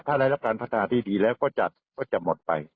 ถ้าได้รับการพัฒนาที่ดีแล้วก็จัดก็จะหมดไป